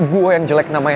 gue yang jelek namanya